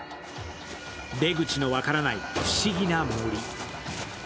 出口の分からない不思議な森。